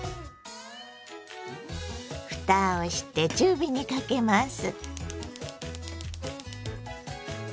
ふたをして中火にかけます。